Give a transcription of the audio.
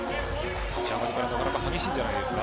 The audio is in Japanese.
序盤からなかなか激しいんじゃないですか。